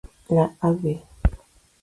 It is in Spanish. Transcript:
La Av.